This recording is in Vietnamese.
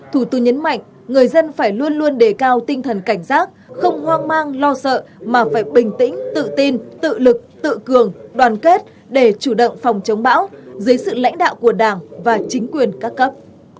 thủ tướng nhấn mạnh người dân phải luôn luôn đề cao tinh thần cảnh giác không hoang mang lo sợ mà phải bình tĩnh tự tin tự lực tự cường đoàn kết để chủ động phòng chống bão dưới sự lãnh đạo của đảng và chính quyền các cấp